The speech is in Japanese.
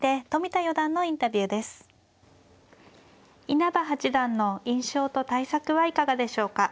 稲葉八段の印象と対策はいかがでしょうか。